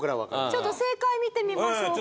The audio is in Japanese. ちょっと正解見てみましょうか。